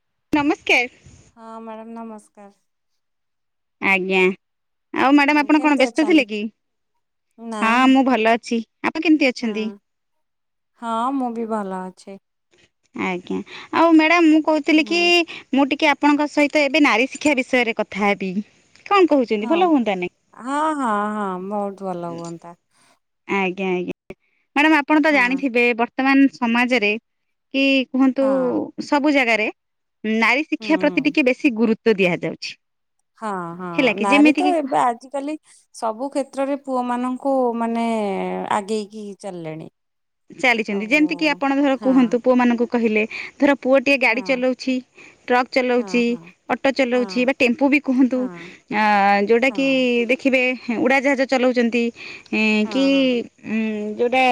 ନମସ୍କାର। ହଁ ମ୍ୟାଡ଼ାମ୍ ନମସ୍କାର। ଆଜ୍ଞା। ଆଉ ମାଡ଼ାମ୍ ହଁ ଆପଣ କଣ କେମିତି ବ୍ୟସ୍ତ ଥିଲେ ଅଛନ୍ତି? କି? ନା ନା ହଁ ମୁଁ ଭଲ ଅଛି। ଆପଣ କେମିତି ହଁ ଅଛନ୍ତି? ଛି ଆଜ୍ଞା ଆଉ ମେ ଡାମ ମୁଁ କହୁଥିଲି ହଁ କି ମୁଁ ଟିକେ ଆପ ଆପଣଙ୍କ ସହିତ ଏବେ ନାରୀ ଶିକ୍ଷା ବିଷୟରେ କଥା ହେବି। କଣ କହୁଚନ୍ତି ହଁ। ଭଲ ହୁଅନ୍ତାନି? ହଁ ହଁ ମୋ ଭଲ ହୁଅନ୍ତା ଆଜ୍ଞା ଆଜ୍ଞା। ମାଡ଼ାମ ଆପଣ ତ ହଁ ଜାଣିଥିବେ ବର୍ ତମାନ ସମାଜରେ କି କୁହନ୍ତୁ ହଁ ସବୁ ଜାଗା ରେ ନାରୀ ହୁଁ ଶିକ୍ଷା ହୁଁ। ପ୍ରତି ଟିକେ ବେଶୀ ଗୁରୁ ସେ ଦିହାଯାଉଛି। ହଁ ହଁ ନାରୀ ତ ଏବେ ଆଜିକାଲି ସବୁ କ୍ଷେତ୍ରରେ ପୁଅମାନଙ୍କୁ ମାନେ ଆଗେଇକି ଚାଲିଲେଣି। ଚାଲିଚନ୍ତି ଆଉ ଯେମିତି କିି ଆପଣ ଧର ହଁ କୁହନ୍ତୁ ପୁଅମାନଙ୍କୁ କହିଲେ ଧର ପୁଅଟିିଏ ଗାଡ଼ି ହଁ ଚଲଉଛି, ଟ୍ରକ୍ ହଁ ଚଲଉଚି, ହଁ ଅଟୋ ହଁ ଚଲଉଛି, ହଁ ବା ଟେମ୍ପୁ ବି କୁହନ୍ତୁ ହଁ ଆ, ହଁ ଯୋଉଟାକି ଦେଖିବେ ହଁ ଉଡ଼ାଜାହାଜ ଚଲଉଚନ୍ତି। ଏଁ ହଁ କି ଉଁ, ଯୋଉଟା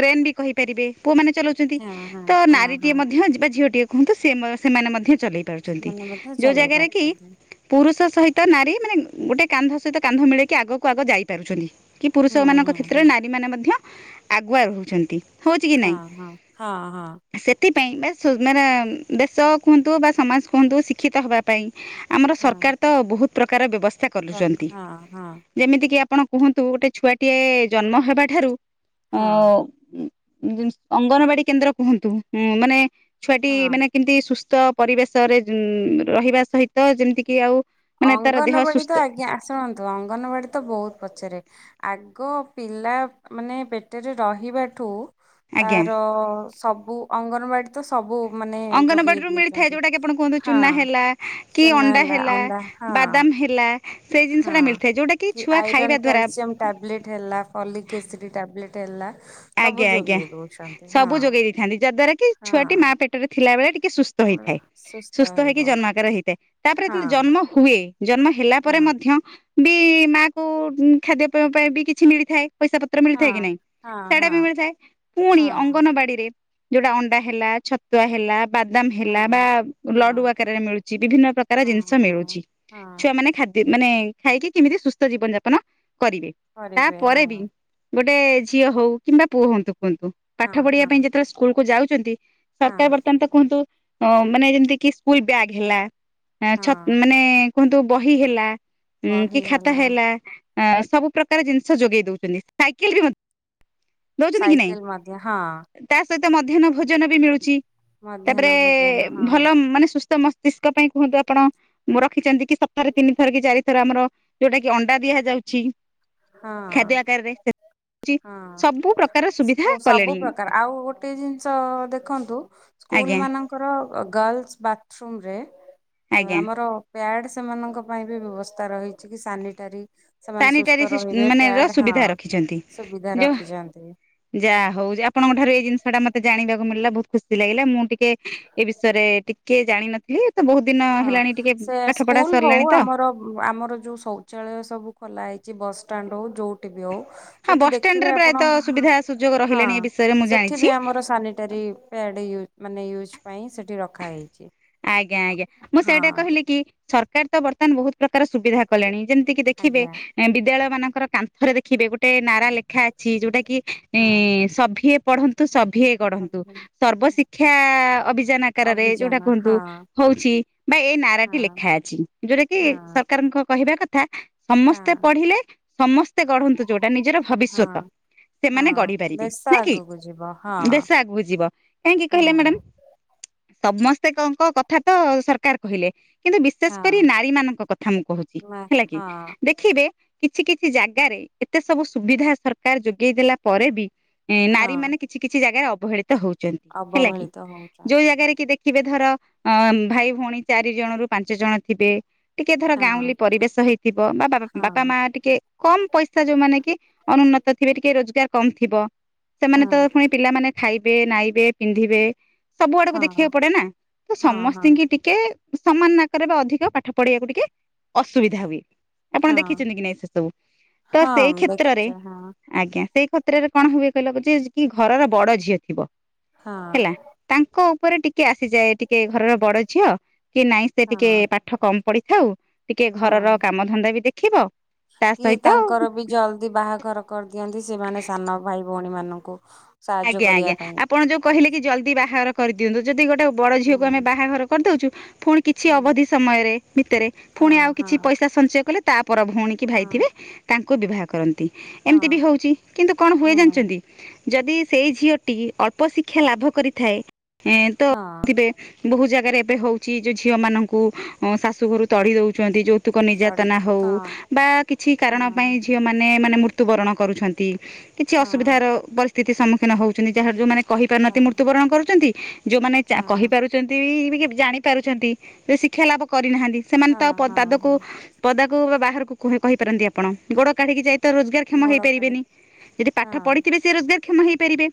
ଟ୍ରେନ୍ ବି କହିପାରିବେ ପୁଅମାନେ ଚଲଉଚନ୍ତି, ହଁ ହଁ ତ ହଁ ନାରୀଟିଏ ହଁ ମଧ୍ୟ ଯିବା ଝିଅଟିଏ କୁହନ୍ତୁ ସେମ ସେମାନେ ମଧ୍ୟ ଚଲେଇ ପାରୁଚନ୍ତି, ସେମାନେ ମଧ୍ୟ ଯୋଉ ଚଲେଇ ଜାଗାରେ କି ପାରୁଛନ୍ତି ପୁରୁଷ ସହିତ ନାରୀ ମାନେ ଗୋଟେ କାନ୍ଧ ସହିତ କାନ୍ଧ ମିଳେଇ କି ଆଗକୁ ଆଗ ଯାଇ ପାରୁଛନ୍ତି। କି ପୁରୁଷ ହୁଁ ମାନଙ୍କ ହୁଁ କ୍ଷେତ୍ରରେ ହୁଁ। ନାରୀ ମାନେ ମଧ୍ୟ ଆଗୁଆ ରହୁ। ଛନ୍ତି। ହଁ ହଁ ହଁ ହଁ। ପାଇଁ ବା ମାନେ ଦେଶ କୁହନ୍ତୁ ବା ସମାଜ କୁହନ୍ତୁ ଶିକ୍ଷିତ ହେବା ପାଇଁ। ଆମର ହଁ ସରକାର ତ ବହୁତ। ପ୍ରକାର ବ୍ୟବସ୍ଥା ରଖ କରୁଛନ୍ତି ହଁ ହଁ ଯେମିତି କି ଆପଣ କୁହନ୍ତୁ ଗୋଟେ ଛୁଆଟିଏ ଜନ୍ମ ହେବା ଠାରୁ ଅ ହଁ। ଓ ଉଁ ଅଙ୍ଗନବାଡି କେନ୍ଦ୍ର କୁହନ୍ତୁଁ ଉଁ ମାନେ ଛୁଆଟି ହଁ ମାନେ କେମିତି ସୁସ୍ ସୁଥ ପରିବେଶରେ ରହିବା ଉଁ ସହିତ ଯେମିତିକି ଆଉ ମାନେ ତାର ଦେହ ଅଙ୍ଗନବାଡି ତ ସୁସ୍ଥ ଆଜ୍ଞା ଆସୁଣନ୍ତୁ ଅଙ୍ଗନବାଡି ତ ବହୁତ ପଛରେ ଆଗ୍ ଏକ ପିଲା ମାନେ ପେଟରେ ରହିବାଠୁ ଆଜ୍ଞା ତାର ଅ ସବୁ ଅଙ୍ଗନବାଡି ତ ସବୁ ମାନେ ଯୋଗେଇ ଅଙ୍ଗନବାଡିରୁୁ ମିଳିଥାଏ ଦଉଛନ୍ତି ଯୋଉଟା କି ଆପଣ କୁହନ୍ତୁ ହଁ। ଚୁନା ହେଲା କି ଚୁନା ଅଣ୍ଡା ହେଲା ଅଣ୍ଡା ହଁ ବାଦାମ ହେଲା ସେଇ ହଁ ଜିନିଷଟା ମିଳିଥାଏ ଯୋଉଟା କି ଛୁଆ ଆଇରନ୍ ଖାଇବା ଦ୍ଵାରା କ୍ୟାଲସିୟମ ଟ୍ୟାବଲେଟ୍ ହେଲା ଫଲିକ ଏସିଡି ଟାବଲେଟ୍ େନ ଲାକ୍ଷ ଆଜ୍ଞା ଆଜ୍ଞା ସବୁ ଯୋଗେଇ ଦେଇଥାନ୍ତି ଯାଦ୍ଵାରା କି ଛୁଆଟି ମା ହଁ ପେଟରେ ଥିଲା ବେଳେ ଟିକେ ସୁସ୍ଥ ଭଲ, ହେଇଥାଏ ସୁସ୍ଥ ରହିବ ହେଇକି ଜନ୍ମ ଆକାର ହେଇଥାଏ ତାପରେ ହଁ ଯେତେବେଳେ ଜନ୍ମ ହୁଏ। ଜନ୍ମ ହେଲା ହଁ। ପରେ ମଧ୍ୟ ବି- ମା କୁ ଖାଦ୍ୟ ପେବା ପାଇଁ ବି କିଛି ମିଳିଥାଏ। ପଇସା ପତ୍ର ମିଳିଥାଏ କି ନାଇଁ? ହେଟାବି ମିଳିଥାଏ ପୁଣି ଅଙ୍ଗନବାଡି ରେ ଯୋଉଟା ଅଣ୍ଡା ହେଲା, ଛତୁଆ ହେଲା। ବାଦାମ ହେଲା, ବା ଲଡୁ ଆକାରରେ ମିଳୁଛି ବିଭିନ୍ନ ପ୍ରକାର ଜିନିଷ ମିଳୁଛି। ଛୁଆ ମାନେ ଖାଦ୍ୟ ମାନେ ଖାଇକି କେମିତି ସୁସ୍ଥ ଜୀବନ ଯାପନ କରିବେ କରିବେ ତାପରେ ହଁ ବି ଗୋଟେ ପେଜ୍ ଝିଅ ହଉ କିମ୍ବା ପୁ ହଅନ୍ତୁ କୁହନ୍ତୁ ପାଠ ହଁ ପଢିବା ହଁ ପାଇଁ ଯେତେବେଳେ ସ୍କୁଲକୁୁ ଯାଉ [inaudible] ହଁ ସରକାର ବର୍ତ୍ତମାନ ତ କୁହନ୍ତୁ- ଅ ମାନେ ଯେମିତି କି ସ୍କୁଲ ବ୍ୟାଗ୍ ହେଲା, ହ ଛ ହଁ ମାନେ ଦେଖନ୍ତୁ ବହି ହେଲା, ହୁଁ କି ଖାତା ହେଲା ଏ ସବୁ ପ୍ରକାର ଜିନିଷ ଯୋଗେଇ ଦଉଛନ୍ତି ସାଇକେଲ ଦଉଛନ୍ତି କି ନାଇଁ ସାଇକେଲ ମା ହଁ। ତା ସହିତ ମଧ୍ୟାହ୍ନ ଭୋଜନ ବି ମିଳୁଛି। ମଧ୍ୟାହ୍ନ ତାପରେ ଭୋଜନ ହଁ ଭଲ ମାନେ ମସ୍ତିଷ୍କ ପାଇଁ କୁହନ୍ତୁ ଆପଣ ରଖିଛନ୍ତି କି ସପ୍ତାହରେ ତିନି ଥର କି ଚାରି ଥର ଆମର ଯୋଉଟା କି ଅଣ୍ଡା ଦିଆଯାଉଛି ହଁ ଖାଦ୍ୟ ଆକାରରେ ହଁ ସବୁ ପ୍ରକାର ସୁବିଧା ସବୁ କଲେଣି ପ୍ରକାର ଆଉ ଗୋଟେ ଜିନିଷ ଦେଖନ୍ତୁ ସ୍କୁଲ ଆଜ୍ଞା ମାନଙ୍କର ଗଲସ ବାଥରୁମ ରେ ଆଜ୍ଞା ଆମର ପ୍ୟାଡ ସେମାନଙ୍କ ପାଇଁ ବି ବ୍ୟବସ୍ଥା ରହିଛି। କି ସାନିଟାରୀ ସେମାନେ ସୁସ୍ଥ ସାନିଟାରି ରହିବେ ମାନେ ର ପ୍ୟାଡ୍ ହଁ ସୁବିଧା ରଖିଛନ୍ତି ସୁବିଧା ଯ ରଖିଛନ୍ତି ଯାହା ହଉ ଆପଣଙ୍କ ଠାରୁ ଏଇ ଜିନିଷ ଟା ମତେ ଜାଣିବାକୁ ମିଳିଲା। ଖୁସି ଲାଗିଲା ମୁଁ ଟିକେ ଏ ବିଷୟରେ ଟିକେ ଜାଣିିନଥିଲି। ହଁ ସେ ସ୍କୁଲ ହଉ ସରିଲାଣି ତ ଆମର ଆମର ଯୋଉ ଶୌଚାଳୟ ସବୁ ଖୋଲା ହେଇଛି ବସ ଷ୍ଟାଣ୍ଡ ହଉ ହଁ ସେଠି ବସଷ୍ଟାଣ୍ଡ ରେ ଦେଖେ ଆପଣ ପ୍ରାୟତଃ ସୁବିଧା ସୁଯୋଗ ହଁ ରହିଲାଣି ଏ ବିଷୟରେ ମୁଁ ସେଠି ଜାଣିଛି ବି ଆମର ସାନିଟାରି ପ୍ୟାଡେ ମାନେ ୟୁଜ୍ ପାଇଁ ସେଇଠି ରଖାହେଇଛି। [unintelligible] ଆଜ୍ଞା। ଆଜ୍ଞା। ମୁଁ ସେଇଟା କହିଲି କି? ସରକାର ତ ବର୍ତ୍ତମାନ ବହୁତ ପ୍ରକାର ସୁବିଧା କଲେଣି ଯେମିତି କିି ଦେଖିବେ ଆଜ୍ଞା। ବିଦ୍ୟାଳୟ ମାନଙ୍କର କାନ୍ଥରେ ଦେଖିବେ ଗୋଟେ ନାରା ଲେଖା ଅଛି ଯୋଉଟା କି? ଏ ହଁ ସଭି ପଢନ୍ତୁ। ତୁ ସଭିଏ ଗଢନ୍ତୁ ସବୁ ସର୍ବ ଶିକ୍ଷା ଅଭିଯାନ ଆକାରରେ ଅଭିଯାନ ହଁ ହଉଛି ବା ଏ ନାରା ଟି ହଁ ଲେଖା ଅଛି ଯୋଉଟା କି ହଁ ସରକାରଙ୍କ କହିବା କଥା। ସମସ୍ତେ ହଁ ପଢିଲେ। ସମସ୍ତେ ଗଢନ୍ତୁ ଯୋ ନିଜର ହଁ ଭବିଷ୍ୟତ ସେମାନେ ଗଢି ହଁ ପାରିବେ ଦେଶ ନାକି ଆଗକୁ ଯିବ ହଁ ଦେଶ ଆଗକୁ ଯିବ କାହିଁକି ହୁଁ କହିଲେ ମ୍ୟାଡମ? ସମ କଣ କଣ କଥା ତ ସରକାର କହିଲେ। ବିଶେଷ ହଁ କରି ନାରୀ ମାନଙ୍କ କଥା ମୁଁ କୋହୁଚି ମା ହେଲାକି ହଁ ଦେଖିବେ କିଛି କିଛି ଜାଗାରେ ଏତେ ସବୁ ସୁବିଧା ସରକାର ଯୋଗେଇ ଦେଲା ପରେ ବି ହଁ ନାରୀ ମାନେ କିଛି କିଛି ଜାଗାରେ ଅ [unintelligible] ହୋଉଚନ୍ତି ହେଲା କି ଅବହେଳିତ ଯୋଉ ହଉଛନ୍ତି ଜାଗାରେ କି ଦେ ଥିବେ ଧର ଅଂ ଭାଇ ଭଉଣୀ ଚାରି ଜଣ ରୁ ପାଞ୍ଚ ଜଣ ଥିବେ। ଟିକେ ଧର ହଁ ଗାଉଁଲି ପରିବେଶ ହେଇଥିବ ବା ହଁ ବାପା ମା ଟି କମ ପଇସା ଯୋଉ ମାନେ କି ଅନୁନ୍ନତ ଥିବେ ଟିକେ ରୋଜଗାର କମ ଥିବ। ସେମାନେ ତ ହଁ। ପୁଣି ପିଲାମାନେ ଖାଇବେ ନାଇବେ ପିନ୍ଧିବେ। ସବୁ ଆଡକୁ ଦେଖି ହଁ ଦେଖିବାକୁ ପଡେ ନା ତ ହଁ ହଁ ସମସ୍ତତିଙ୍କୁ ଟିକେ ସମାନ ନାକରେ ବା ଅଧିକ ପାଠ ପଢିବାକୁ ଟିକେ ଅସୁବିଧା ହବ। ଆପଣ ହଁ ଦେଖିଛନ୍ତି କି ନାଇଁ ସେ ସବୁ ତ ସେଇ ହଁ କ୍ଷେତ୍ରରେ ଦେଖିଛ ହଁ ଆଜ୍ଞା ସେ ପତ୍ରରେ କଣ ହୁଏ କହିଲ ଯେ କି ଘର ବଡ ଝିଅ ଥିବ। ହେଲା ହଁ ତାଙ୍କ ପରେ ଟି ସେ ଯାଏ ଟିକେ ଘରର ବଡ ଝିଅ କି ନାଇଁ ସେ ଟିକେ ହଁ ପାଠ କମ ପଢି ହୋଉ ଟିକେ ଘରର ହଁ କାମ ଧନ୍ଦାବି ଦେ ଖିବ କି ତାଙ୍କର ବି ଜଲଦି ବାହାଘର କରିଦିଅନ୍ତି। ସେମାନେ ସାନ ଭାଇ ଭଉଣୀ ମାନଙ୍କୁ ସାହାଯ୍ୟ ଆଜ୍ଞା କରିବା ଆଜ୍ଞା ପାଇଁ ଆପଣ ଯୋଉ କହିଲେ କି ହୁଁ ଜ ପୁଣି କିଛି ହୁଁ ଅବଧି ସମୟରେ ଭିତରେ ହଁ ପୁଣି ଆଉ ହଁ କିଛି ପଇସା ସଞ୍ଚୟ କଲେ ତା ପର ଭଉଣୀ କି ହଁ ଭାଇଥିବେ ତାଙ୍କ ଲୋକ ବିବାହ କରନ୍ତି। ଏମତି ବି ହଁ ହଉଛି କିନ୍ତୁ କଣ ହୁଏ ହୁଁ ଜାଣିଛନ୍ତି। ଯଦି ସେହି ଝିଅଟି ଅଳ୍ପ ଶିକ୍ଷା ଲାଭ କରିଥାଏ। ଏଁ ହଁ ତଥିବେ ବହୁ ଜାଗାରେ ଏବେ ହଉଛି ଯେଉଁ ଝିଅମାନଙ୍କୁ ଶାଶୁ ଘରୁ ତଡ଼ି ଦେଉଛନ୍ତି ଯେଉ ତୁକ ନିର୍ଯାତନା ସଢିତି ହଉ ହଁ ବା କିଛି ହଁ କାରଣ ପାଇଁ ଝିଅ ମାନେ ମାନେ ମୃତ୍ୟୁବରଣ କରୁଛନ୍ତି। କିଛି ହଁ ଅସୁବିଧାରରି ସେ ସମ ହଉଛନ୍ତି ଯାହାର ଯୋଉାନେ ହଁ କହିପାରୁନାହାନ୍ତି ମୃତ୍ୟୁବରଣ କରୁଛନ୍ତି। ଯୋଉମାନେ ହଁ କହିପାରୁଛନ୍ତି। ଜାଣି ପାରୁଛନ୍ତି ଶିକ୍ଷା ଲାଭ କରିନାହାନ୍ତି। ସେମାନେ ହଁ ତା ହଁ ପାଦକୁ ହଁ ପଦା ବାହାରକୁ କହିପାରନ୍ତି ଆପଣ ଗୋ କାଢିକି ଯାଇ ତ ରୋଜଗାରକ୍ଷମ ଗୋଡ କାଢି ହେଇପାରିବେନି ଯଦି ପାଠ ହଁ ପଢିଥିବେ ସେ ରୋଜଗାର ମହି କରାରିବେ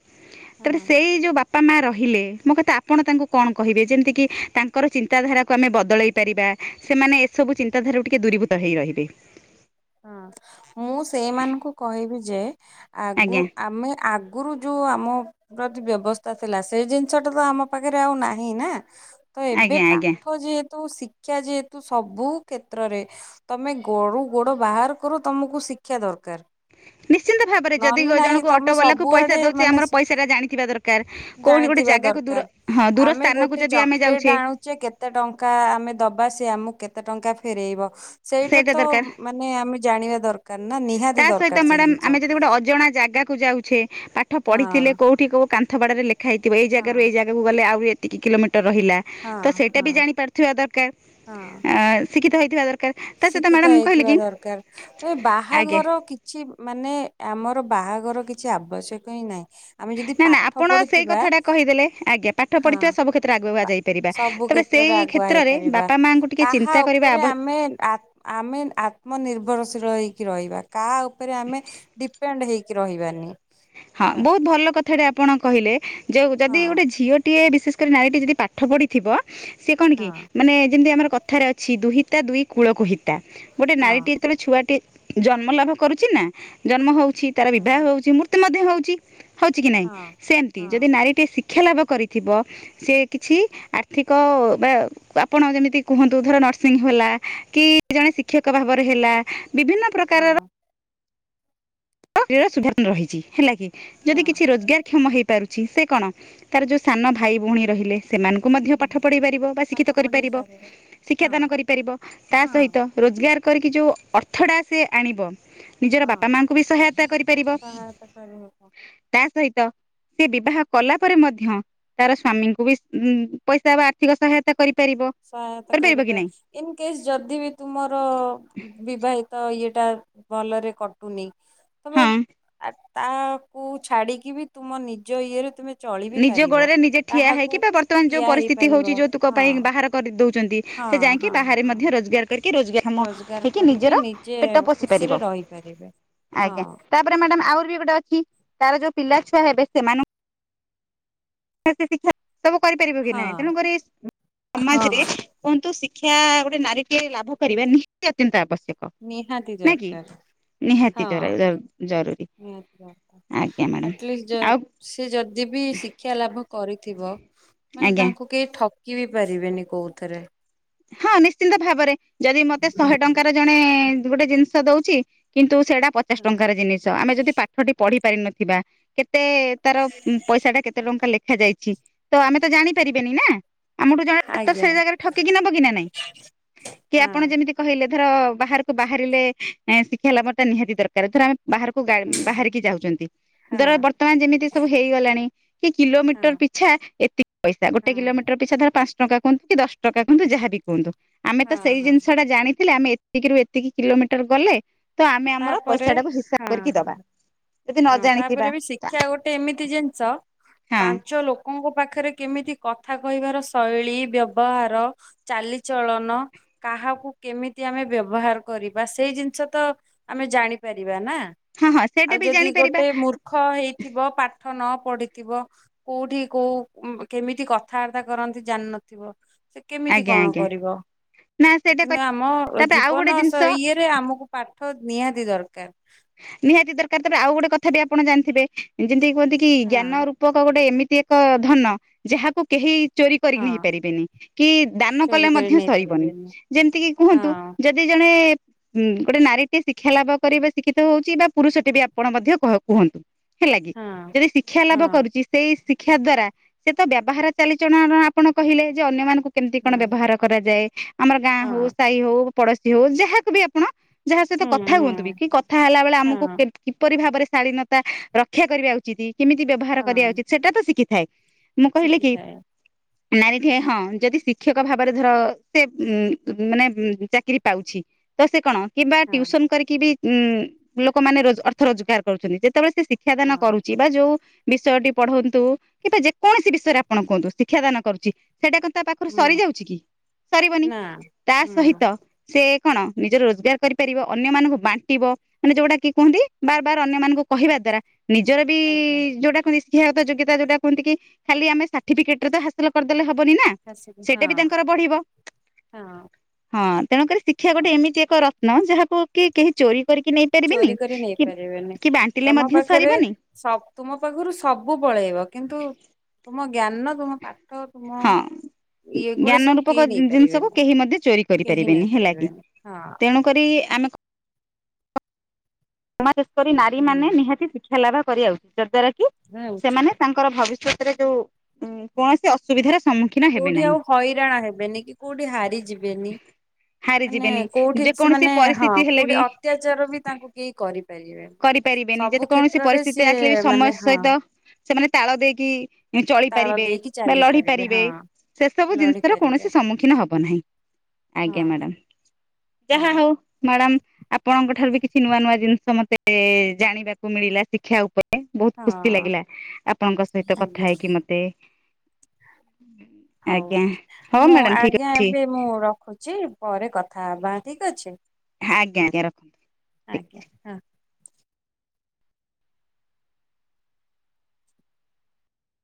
ତାର ହଁ ସେଇ ଯୋଉ ବାପା ବାପା ମା ରହିଲେ ମୋ କଥା ଆପଣ ତାଙ୍କୁ କଣ କହିବେ ଯେମିତିକି ତାଙ୍କର ଚିନ୍ତାଧାରାକୁ ଆମେ ବଦଳେଇ ପାରିବା ସେମାନେ ଏସବୁ ଚିନ୍ତାଧାରାକୁ ଟିକେ ଦୂରୀଭୂତ ହେଇ ରହିବେ। ହଁ ମୁଁ ସେଇମାନଙ୍କୁ କହିବି ଯେ ଆଜ୍ଞା ଆଗରୁ ଆମେ ଆଗରୁ ଯେଉଁ ଆମ ପ୍ରତି ବ୍ୟବସ୍ଥା ଥିଲା ସେଇ ଜିନିଷଟା ତ ଆମ ପାଖରେ ଆଉ ନାହିଁ ନା। ତ ଏବେ ଆଜ୍ଞା ଆଜ୍ଞା ପାଠ ଯେହେତ ତ ଶିକ୍ଷା ଯେହେତୁ ସବୁ କ୍ଷେତ୍ରରେ ତମେ ଗରୁ ଗୋଡ ବାହାର କର ତମକୁ ଶିକ୍ଷା ଦରକାର ନିଶ୍ଚିନ୍ତ ଭାବରେ ଯଦି ନହେଲେ ନାଇଁ ଜଣଙ୍କୁ ତମେ ଅଟୋ ବାଲାକୁ ପଇସା ସବୁଆଡେ ଦଉଛେ ମାନେ ଆମର ପଇସା ଟା ଜାଣିଥିବା ଦରକାର କୋଉଠି ଗୋଟେ ଜାଣିଥିବା ଜାଗାକୁ ଦରକାର। ଦୂର ହଁ ଦୂର ଆମେ ସ୍ଥାନକୁ ଗୋଟେ ଯଦି ଆମେ ଚକୋଲେଟ ଯାଉଛେ ଆଣୁଛେ କେତେ ଟଙ୍କା ଆମେ ଦବା ସେ ଆମକୁ କେତେ ଟଙ୍କା ଫେରଇବ ସେଇଟା ତ ନାଇଁ ଆମେ ଜାଣିବା ଦରକାର ନା ତା ନିହାତି ସହିତ ଦରକାର ସେ ଜିନିଷ। ମ୍ୟାଡାାମ ଆମେ ଯଦି ଗୋଟେ ଅଜଣା ଜାଗାକୁ ଯାଉଛେ ପାଖ ପାଠ ପଢିଥିଲେ ହଁ କୋଉଠି କଉ କନ୍ଥବାଡ ଲେଖ ଖାଇଥିବ ଏଇ ହଁ ଜାଗାରୁ ଏଇାଗାକୁ ଗଲେ ଆହୁ କିିଲୋମିଟର। ରହିଲା ହଁ ତ ସେଇଟା ବି ହଁ ଜାଣି ପାରୁଥିବା ହଁ ଦରକାର। ଶିକ୍ିତଥଥିବା। ଶିକ୍ଷିତ ହେଇଥିବା ଦରକାର ଏ ବା ଆଜ୍ଞା ବାହାଘର କିଛି ମାନେ ଆମର ମୋର ବାହାଘର କିଛି ଆବଶ୍ୟକ ହିଁ ନାହିଁ। ଆମେ ଯଦି ନା ନା ପାଠ ଆପଣ ସେଇ ପଢିଥିବା କଥାଟା କହିଦେଲେ ଆଜ୍ଞା ପାଠ ହଁ ପଢ଼ିଥିବା ସବୁ କ୍ଷେତ୍ରରେ ଆଗୁ ପା କୁହାଯାଇପାରିବା ସବୁ ତେବେ କ୍ଷେତ୍ରରେ ସେଇ ଆଗୁଆ କ୍ଷେତ୍ରରେ ହେଇପାରିବା। ବାପା ମାଙ୍କୁ ଟିକେ କାହା ଚିନ୍ତା କରିବା। ଉପରେ ଆମେ ଆ ଆମେ ଆତ୍ମନିର୍ଭରଶୀଳ ହେଇକି ରହିବା। କାହା ଉପରେ ଆମେ ଡିପେଣ୍ଡ ହେଇକ ରହିବାନି। ହଁ ହେଲା ବହୁତ ଭଲ କଥା। ଏଥାରେ ଆପଣ କହିଲେ ଯୋଉ ଯଦି ହଁ ଗୋଟେ ଝିଅଟିଏ ବିଶେଷ କରି ନାରୀଟି ଯଦି ପାଠ ପଢ଼ିଥିବ। ସେ କଣ କି ହଁ ମାନେ ଯେମିତି ଆମର କଥାରେ ଅଛି ଦୁହିତା ଦୁଇ କୂଳକହିତା। ଗୋଟେ ନାରୀଟି ହଁ ଯେତେବେଳେ ଛୁଆଟି ଜନ୍ମ ଲାଭ କରୁଛି ନା ଜନ୍ମ ହଉଛି। ତାର ହଁ ବିବାହ ହଉଛି ମୁ ବ ହଉଛି ହଉଛି କି ନାଇଁ ହଁ ସେମିତି ଯଦି ହଁ ନାରୀଟିଏ ଶ ଶିକ୍ଷା ଲାଭ କରିଥିବ ସେ କିଛି ଆର୍ଥିକ ବା ଆପଣ ଯେମିତି କୁହନ୍ତୁ ଧର ନର୍ସିଂ ହେଲା କି ଜଣେ ଶିକ୍ଷକ ଭାବରେ ହେଲା। ବିଭିନ୍ନ ପ୍ରକାରର ହଁ ଶ ସୁ ରହିଛି ହେଲା କି? ଯଦି ହଁ କିଛି ରୋଜଗାର କ୍ଷମ ହେଇପାରୁଛି। ସେ କଣ ତାର ଯୋଉ ସାନ ଭାଇ ଭଉଣୀ ରହିଲେ। ସେମାନଙ୍କୁ ମଧ୍ୟ ପାଠ ପଢ଼ାଇ ପାରିବ ବା ପାଠ ଶିକ୍ଷିତ ପଢେଇ କରିପାରିବ ପାରିବା ହଁ। ଶିକ୍ଷାଦାନ କରିପାରିବ ତା ହଁ ସହିତ ରୋଜଗାର। କରିକି ଯେଉଁ ଅର୍ଥଟା ସେ ଆଣିବ। ନିଜର ବାପା ହଁ ମା ହାୟ କରିପାର ସହାୟତା କରିହବ ତା ସ ସେ ବିବାହ କଲା ପରେ ମଧ୍ୟ ତାର ସ୍ଵାମୀଙ୍କୁ ବି ପଇସା ବା ଆର୍ଥିକ ସହାୟତା କରି ସହାୟତା କରିବା ଇନ କେସ୍ ଯଦି ବି ତୁମର ବିବାହିତ ଇ ଟା ଭଲରେ କଟୁନି। ତମେ। ହଁ ତାକୁ ଛାଡିକି ବି ତୁମ ନିଜ ଇଏରେ ତୁମେ। ଚଳି ବିି ନିଜ ପାରିବ। ଗୋଡରେ ନିଜେ ଠିଆ କାହାକୁ ହେଇକି ବା ବର୍ତ୍ତମାନ ଯୋଉ ଠିଆ ପରିସ୍ଥିତି ହେଇପାରିବ ହଉଛି ଯୌତୁକ ହଁ ପାଇଁ ବାହାର। କରିଦଉଛି। ଛନ୍ତି ସେ ହଁ ଯାଇକି ହଁ ବାହାରେ ହଁ ମଧ୍ୟ ରୋଜଗାର କରି ରୋଜଗାରକ୍ଷମ ରୋଜଗାର ହେଇକି କରିବି ନିଜର ନିଜେ ପେଟ ପୋଷି ଖୁସିରେ ପାରିବ ରହିପାରିବେ। ହଁ ଆଜ୍ଞା ତାପରେ ମ୍ୟାଡାମ ଆହୁରି ବି ଗୋଟେ ଅଛି। ତାର ଯୋଉ ପିଲା ଛୁଆ ହେବେ ସେମାନେ କେ ଶିକ୍ଷା। ସବୁ କରିପାରିବ କି ହଁ ନାହିଁ ତେଣୁକରି ହଁ ସମାଜରେ କୁହନ୍ତୁ ସିଖ୍ ଶିକ୍ଷା ଗୋଟେ ନାରୀଟିଏ ଲାଭ କରିବା ନିହାତି ଅତ୍ୟନ୍ତ ଆବଶ୍ୟକ। ନିହାତି ନା କି ଦରକାର। ନିହାତି ଜରୁରୀ ହଁ ଆଜ୍ଞା ମ୍ୟାଡାମ ଆଟଲିଷ୍ଟ ଆଉ ସେ ଯଦି ବି ଶିକ୍ଷା ଲାଭ କରିଥିବ ମାନେ ଆଜ୍ଞା ତାଙ୍କୁ କେହି ଠକ ଇଏ ବି ପାରିବେନି କୋଉଥରେ। ହଁ ନିଶ୍ଚିନ୍ତ ଭାବରେ। ଯଦି ମତେ ଶହେ ଟଙ୍କାର ଜଣେ ଗୋଟେ ଜିନିଷ ଦଉଛି କିନ୍ତୁ। ସେଇଟା ପଚାଶ ଟଙ୍କାର ଜିନିଷ ଆମେ ଯଦି ପାଠଟି ପଢ଼ି ପାରିନଥିବା କେତେ ଏତେ ତାର ପଇସାଟା କେତେ ଟଙ୍କା ଲେଖା ଯାଇଛି। ତ ଆମେ ତ ଜାଣିପାରିବେନି ନା। ଆମଠୁ ଜଣେ [unintelligible] ସେ ଆଜ୍ଞା ଜାଗାରେ ଠ [unintelligible] ନବ କି ନା ନାହିଁ କି ହଁ ଆପଣ ଯେମିତି କହିଲେ। ଧର ବାହାରକୁ ବାହାରିଲେ ଶିକ୍ଷାଲାଭଟା ନିହାତି ଦରକାର ଧର ଆମେ ବାହାରକୁ ହଁ ବାହାରିକି ଯାଉଛନ୍ତି ହଁ ଧର ବର୍ତ୍ତମାନ ଯେମିତି ସବୁ ହେଇଗଲାଣି। କି ହଁ କିଲୋମିଟର ପିଛା ଏତିକି ପଇସା ଗୋଟେ ହଁ। କିଲୋମିଟର ପିଛା ଧର ପାଞ୍ଚ ଟଙ୍କା କୁହନ୍ତୁ କି ଦଶ ଟଙ୍କା କୁହନ୍ତୁ ଯାହା ବି କୁହନ୍ତୁ। ଆମେ ତ ହଁ ସେଇ ହଁ ଜିନିଷଟା ଜାଣି ଥିଲେ ଆମେ ଏତିକିରୁ ଏତିକି କିଲୋମିଟର ଗଲେ। ତ ଆମେ ଆମର ତାପରେ ପଇସା ଟାକୁ ହିସାବ ହଁ କରିକି ହଁ ଦବା। ଯଦି ନ ହଁ ଜାଣିଥିବା ତାପରେ ବି ଶିକ୍ଷା ଗୋଟେ ଏମିତି ଜିନିଷ ହଁ ପାଞ୍ଚ ଲୋକଙ୍କୁ ଙମୋ ପାଖରେ କେମିତି କଥା କହିବାର ଶୈଳୀ ବ୍ୟବହାର ଚାଲିଚଳନ କାହାକୁ କେମିତି ଆମେ ବ୍ୟବହାର କରିବା ସେଇ ଜିନିଷ ତ ଆମେ ଜାଣିପାରିବା ନା। ହଁ ହଁ ଆଉ ସେଇଟା ବି ଯଦି ଜାଣି ଗୋଟେ ମୂର୍ଖ ହେଇଥିବ ପା ପାଠ ନ ପଢିଥିବ କୋଉଠି କୋଉ କେମିତି କଥାବାର୍ତ୍ତା କରନ୍ତି ଜାଣିନଥିବ। ସେ କେମିତି ଆଜ୍ଞା କଣ ଆଜ୍ଞା କରିବ ନା ସେଇଟା କିନ୍ତୁ କରି ଆମ ତାପରେ ଆଉ ଗୋଟେ ଜୀବନ ଜିନିଷ ଇଏରେ ଆମକୁ ଓ ନିହାତି ଦରକାର। ଥା ବିି ଆପଣ ଜାଣିଥିବେ ଯେମିତି କୁହନ୍ତି କି ହଁ ଜ୍ଞାନ ରୂପକ ଗୋଟେ ଏମିତି ଏକ ଧନ ଯାହାକୁ କେହି ଚୋରି କରିକି ହଁ ନେଇପାରିବେନି କି ଦାନ ଚୋରି କଲେ କରି ମଧ୍ୟ ସରିବନି ନେଇପାରିବେନି ଯେମିତିକି କୁହନ୍ତୁ ହଁ ଯଦି ଜଣେ ହୁଁ ଗୋଟେ ନାରୀ ଟିଏ ଶିକ୍ଷା ଲାଭ କରିବେ। ଶିକ୍ଷିତ ହଉଛି ବା ପୁରୁଷ ଟଟି ବି ଆପଣ ମଧ୍ୟ କୁହନ୍ତୁ। ହେଲା କିି ହଁ ଯଦି ଶିକ୍ଷା ହଁ ଲାଭ କରୁଛି ସେଇ ଶିକ୍ଷା ଦ୍ଵାରା ସେ ତ ବ୍ୟବହାର ଚାଲିଚଳଣ ଆପଣ କହିଲେ ଯେ ଅନ୍ୟମାନଙ୍କୁ କେମିତି କଣ ହଁ ବ୍ୟବହାର କରାଯାଏ? ଆମର ଗାଁ ହଁ ହଉ ସାହି ହଉ। ପଡୋଶୀ ହଉ ଯାହାକୁ ବି ଆପଣ ଯାହା ସହିତ ହୁଁ କଥା କୁହନ୍ତୁ ବି। ହୁଁ କି କଥା ହେଲା ବେଳେ ଆମକୁ ହଁ କିପରି ଭାବରେ ଶାଳିନତା ରକ୍ଷା କରିବା ଉଚିତ୍। କେମିତି ବ୍ୟବହାର କରିବା ହଁ ଉଚିତ ସେଟା ତ ଶିଖି ଶିଖିଥାଏ। ନାରୀ ଟିଏ ହଁ ଯଦି ଶିକ୍ଷକ ଭାବରେ ଧର ସେ ଉ ମାନେ ଚାକିରୀ ପାଉଛି ତ ସେ କଣ? କିମ୍ବା ହଁ ଟିଉସନ କରିକି ବି ଉଁ ଲୋକମାନେ ଅର୍ଥ ରୋଜଗାର କରୁଛନ୍ତି ଯେ ଯେତେବେଳେ ସେ ଶିକ୍ଷାଦାନ ହଁ କରୁଛି ବା ଯୋଉ ବିଷୟଟି ପଢ଼ନ୍ତୁ କିମ୍ବା ଯେକୌଣସି ବିଷୟରେ ଆପଣ କୁହନ୍ତୁ ଶିକ୍ଷା ଦାନ କରୁଛି। ସେଇଟା କିନ୍ତୁ ତା ପାଖରୁ ହୁଁ ସରିଯାଉଛି କି ସରିବନି ନା ତା ହୁଁ ସହିତ ସେ କଣ ନିଜର ରୋଜଗାର କରିପାରିବ ଅନ୍ୟ ମାନଙ୍କୁ ବାଣ୍ଟି ଣ୍ଟିବ ମାନେ ଯୋଉଟା କି କୁହନ୍ତି ବାର ବାର ଅନ୍ୟମାନଙ୍କୁ କହିବା ଦ୍ଵାରା ନିଜର ବି ଆଜ୍ଞା ଯୋଉଟାକୁ ତ ଯୋଗିତା ଯୋଉଟା କୁହନ୍ତି କି ଖାଲି ଆମେ ସାର୍ଟିଫିକେଟ ରେ ହାସ କରିଦଲେ ହବ ନି ନା ଆସିକି ହଁ ସେଟା ବି ତାଙ୍କର ବଢିବ ହଁ ତେଣୁକରି ଶିକ୍ଷା ଗୋଟେ ହଁ ଏମିତି ଏକ ନା ଯାହାକୁ କି କେହି ଚୋରି କରିକି ନେଇପାରିବେନି ଚୋରି କରି ନେଇ କି ପାରିବେନି କି ବାଣ୍ଟିଲେ ତମ ମଧ୍ୟ ପାଖରେ ସରିବନି ତୁମ ପାଖରୁ ସବୁ ପଳେଇବ କିନ୍ତୁ ମୋ ଜ୍ଞାନ ତୁମେ ପାଠ ତୁମ ହଁ ଏଗୁଡା ଜ୍ଞାନ ସବୁ ରୂପକ କେହି ଜିନିଷକୁ ନେଇପାରିବେନି କେହି ମଧ୍ୟ ଚୋରି କେହି କରିପାରିବେନି ହେଲା କି ନେଇପାରିବେନି ହଁ ତେଣୁ କରି ଆମେ ସମ କରି ନାରୀ ମାନେ ହୁଁ ନିହାତି ଶିଖି ଖେଲା ବା କରିବା ଆଉ ଯଦ୍ଦ୍ୱାରା କି ହେ ସେମାନେ ଉଚିତ ତାଙ୍କର ଭବିଷ୍ୟତ ଯୋଉ କୌଣସି ଅସୁବିଧାର ସମ୍ମୁଖୀନ ହେବେ କୋଉଠି ନାହିଁ। ଆଉ ହଇରାଣ ହେବେନି କି କୋଉଠି ହାରିଯିବେନି ମାନେ ହାରିଯିବେନି କୋଉଠି ଯେକୌଣସି ସେମାନେ ହଁ ପରିସ୍ଥିତି ହେଲେ ବି କୋଉଠି ଅତ୍ୟାଚାର ବି ତାଙ୍କୁ କେହି କରି କରିପାରିବେନି ଯେତେ କୌଣସି ପରିସ୍ଥିତିରେ ଆସିଲେ ବି ସିଏ ସମୟ ମାନେ ହଁ ସହିତ ସେମାନେ ତାଳ ଦେଇକି ତାଳ ଚଳିପାରିବେ ଦେଇକି ବା ଚାଲି ଲଢି ପାରିବେ ହଁ ସେ ସବୁ ଲଢି ଜିନିଷର ପାରିବେ କୌଣସି ସମ୍ମୁଖୀନ ହବ ନାହିଁ ହଁ ଆଜ୍ଞା ମ୍ୟାଡାମ ଯାହା ହଁ ହଉ ମ୍ୟାଡ଼ାମ ଆପଣଙ୍କ ଠାରୁ ବି କିଛି ନୂଆ ନୂଆ ଜିନିଷ ମତେ ଏ ଜାଣିବାକୁ ମିଳିଲା ଶିକ୍ଷା ଉପରେ ବହୁତ ଖୁସି ହଁ ଲାଗିଲା ଆପଣଙ୍କ ସହିତ କଥା ଆଜ୍ଞା ହେଇକି ମତେ ହଉ ଆଜ୍ଞା ହଉ ମୁଁ ମ୍ୟାଡ଼ାମ ଠିକ ଆଜ୍ଞା ଅଛି ଏବେ ମୁଁ ରଖୁଛି ପରେ କଥ ଥା ହବା ଠିକ ଅଛି? ଆଜ୍ଞା ଆଜ୍ଞା ରଖ ଠିକ ଆଜ୍ଞା ଅଛି ହଁ।